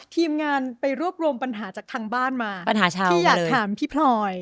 ทีมงานไปรวบรวมปัญหาจากทางบ้านมาปัญหาชาติที่อยากถามพี่พลอย